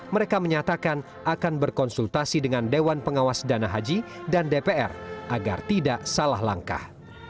mereka menyatakan akan berkonsultasi dengan dewan pengawas dana haji dan dpr agar tidak salah langkah